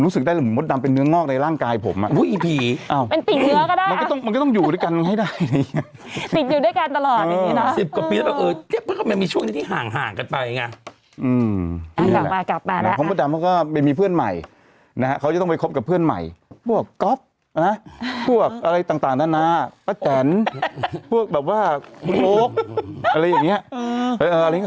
แต่ผมตลอดนะผมรู้สึกได้เหมือนมดดำเป็นเนื้องอกในร่างกายผม